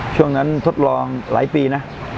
ช่วงนั้นทดลองหลายปีนะ